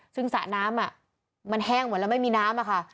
ซึ่งสระน้ำมันแห้งหมดแล้วไม่มีน้ำอะค่ะ